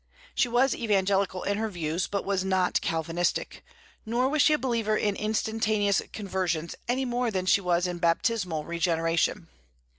She was evangelical in her views, but was not Calvinistic; nor was she a believer in instantaneous conversions, any more than she was in baptismal regeneration.